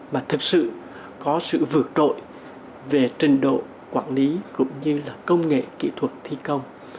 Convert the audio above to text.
mà thực sự có sự vượt rội về trình độ quản lý cũng như là công nghệ kỹ thuật thi công